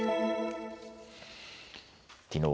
きのう